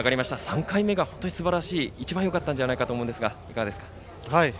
３回目が本当に一番よかったんじゃないかと思いますがいかがですか。